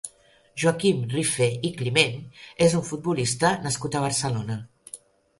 Joaquim Rifé i Climent és un futbolista nascut a Barcelona.